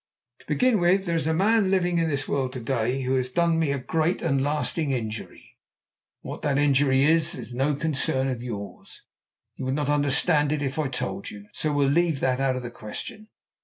To begin with, there is a man living in this world to day who has done me a great and lasting injury. What that injury is is no concern of yours. You would not understand if I told you. So we'll leave that out of the question.